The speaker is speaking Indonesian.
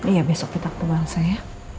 iya besok kita ketemu elsa ya